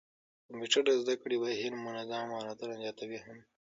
کمپيوټر د زده کړې بهير منظم او مهارتونه زياتوي هم.